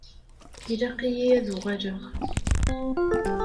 Ilaq-iyi ad uɣaleɣ.